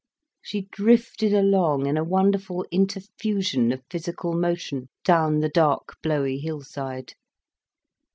She drifted along in a wonderful interfusion of physical motion, down the dark, blowy hillside.